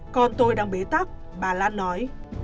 còn tôi đang bế tắp bà lan nói